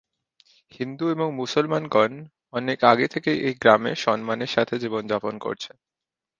হিন্দু এবং মুসলমানগণ অনেক আগে থেকেই এই গ্রামে সম্মানের সাথে জীবনযাপন করছে।